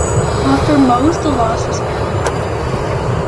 But for most, the loss was permanent.